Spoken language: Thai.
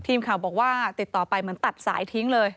ทีมข่าวบอกว่าติดต่อไปเหมือนตัดสายทิ้งเลย